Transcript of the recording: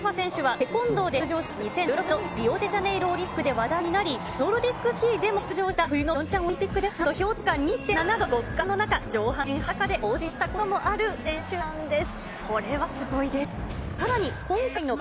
タウファトファ選手は、テコンドーで出場した２０１６年のリオデジャネイロオリンピックで話題になり、ノルディックスキーでも出場した冬のピョンチャンオリンピックでは、なんと氷点下２．７度、極寒の中、上半身裸で行進したこともある選手なんです。